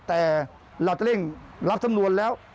แต่เราจะเร่งรับสำนวนแล้ว